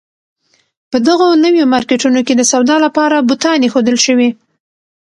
په دغو نویو مارکېټونو کې د سودا لپاره بوتان اېښودل شوي.